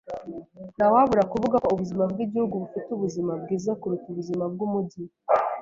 Ntawabura kuvuga ko ubuzima bwigihugu bufite ubuzima bwiza kuruta ubuzima bwumujyi.